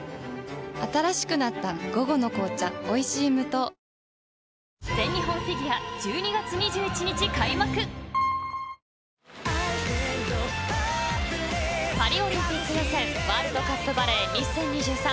新しくなった「午後の紅茶おいしい無糖」パリオリンピック予選ワールドカップバレー２０２３